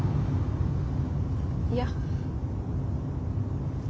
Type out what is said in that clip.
いや。